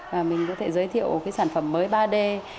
và mình có thể giới thiệu cái sản phẩm mới ba d